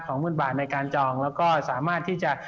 หมื่นบาทในการจองแล้วก็สามารถที่จะ